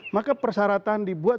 maka persyaratan dibuat